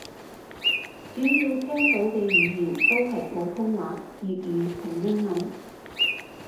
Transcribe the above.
主要聽到嘅語言都係普通話粵語同英文